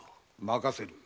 任せる。